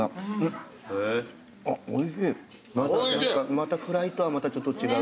またフライとはまたちょっと違う。